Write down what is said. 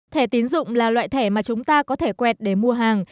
thẻ tiến dụng là loại thẻ mà chúng ta có thể quẹt để mua hàng